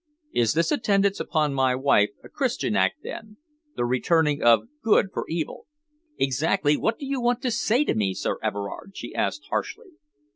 Is this attendance upon my wife a Christian act, then the returning of good for evil?" "Exactly what do you want to say to me, Sir Everard?" she asked harshly.